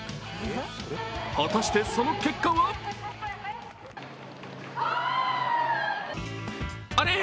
果たしてその結果はあれ？